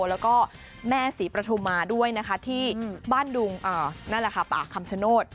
แล้วก็แม่ศรีประธุมาด้วยนะคะที่บ้านดุงนั่นแหละค่ะป่าคำชโนธ